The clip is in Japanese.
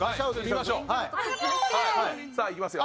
さあいきますよ。